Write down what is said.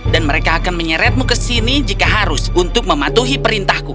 dan mereka akan menyeretmu ke sini jika harus untuk mematuhi perintahku